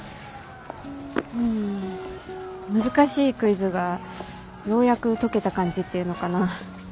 うん難しいクイズがようやく解けた感じっていうのかな。